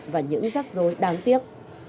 và những rắc rối đáng tiếc